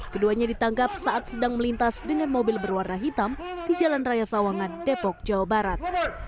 keduanya ditangkap saat sedang melintas dengan mobil berwarna hitam di jalan raya sawangan depok jawa barat